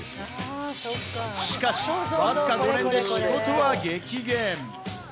しかし、わずか５年で仕事は激減。